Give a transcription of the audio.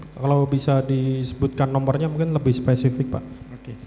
kalau bisa disebutkan nomornya mungkin lebih spesifik pak